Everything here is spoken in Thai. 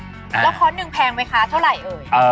แล้วค้อนหนึ่งแพงไหมคะเท่าไหร่เอ่ย